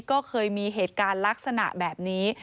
ก็เคยมีเหตุการณ์ลักษณะแบบนี้